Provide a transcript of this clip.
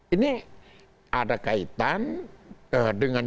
ini ada kaitan dengan